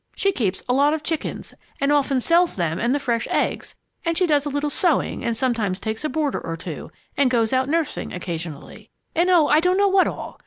She keeps a lot of chickens and often sells them and the fresh eggs, and she does a little sewing, and sometimes takes a boarder or two, and goes out nursing occasionally and oh, I don't know what all!